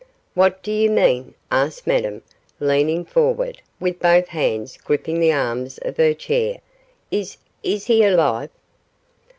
'What do you mean?' asked Madame, leaning forward, with both hands gripping the arms of her chair; 'is is he alive?